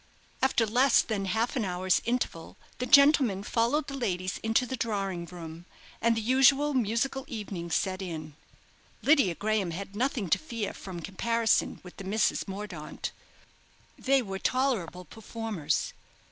After less than half an hour's interval, the gentlemen followed the ladies into the drawing room, and the usual musical evening set in. Lydia Graham had nothing to fear from comparison with the Misses Mordaunt. They were tolerable performers.